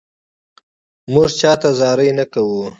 مونږ چاته زاري نه کوو